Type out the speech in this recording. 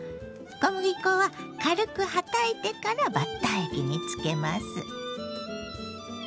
小麦粉は軽くはたいてからバッター液につけます。